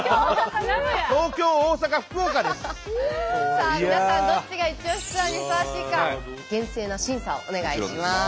さあ皆さんどっちがイチオシツアーにふさわしいか厳正な審査をお願いします。